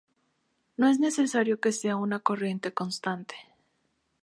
No es necesario que sea una corriente constante.